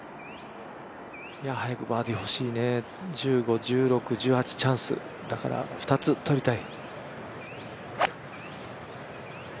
やはりバーディーほしいね、１６、１８チャンスだから２つとりたい。